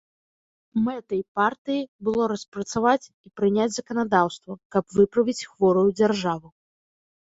Мэтай партыі было распрацаваць і прыняць заканадаўства, каб выправіць хворую дзяржаву.